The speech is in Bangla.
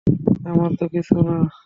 আমার তো কিছু না।